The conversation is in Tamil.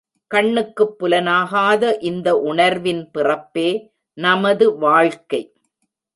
கண்ணுக்குப் புலனாகாத இந்த உணர்வின் பிறப்பே நமது வாழ்க்கை.